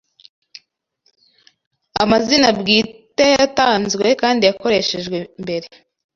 Amazina bwite yatanzwe kandi yakoreshejwe mbere